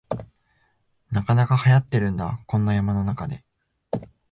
なかなかはやってるんだ、こんな山の中で